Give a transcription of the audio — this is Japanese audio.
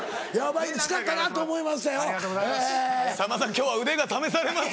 今日は腕が試されますね。